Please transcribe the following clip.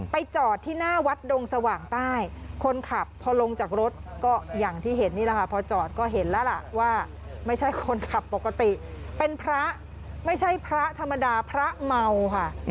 จอดที่หน้าวัดดงสว่างใต้คนขับพอลงจากรถก็อย่างที่เห็นนี่แหละค่ะพอจอดก็เห็นแล้วล่ะว่าไม่ใช่คนขับปกติเป็นพระไม่ใช่พระธรรมดาพระเมาค่ะ